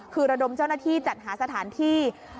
คือระดมเจ้าหน้าที่จัดหาสถานที่